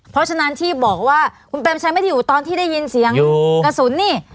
เพราะฉะนั้นที่บอกว่าคุณเปรมชัยไม่ได้อยู่ตอนที่ได้ยินเสียงกระสุนนี่